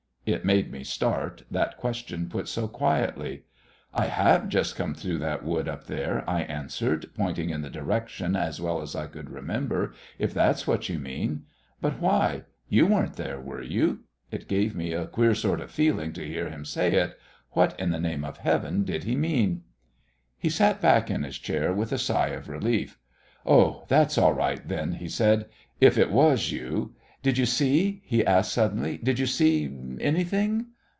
It made me start, that question put so quietly. "I have just come through that wood up there," I answered, pointing in the direction as well as I could remember, "if that's what you mean. But why? You weren't there, were you?" It gave me a queer sort of feeling to hear him say it. What in the name of heaven did he mean? He sat back in his chair with a sigh of relief. "Oh, that's all right then," he said, "if it was you. Did you see," he asked suddenly; "did you see anything?"